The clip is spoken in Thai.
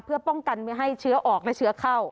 เพื่อป้องกันไม่ให้เชื้อออกและเชื้อเข้า